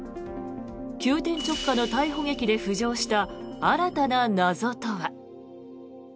急転直下の逮捕劇で浮上した新たな謎とは？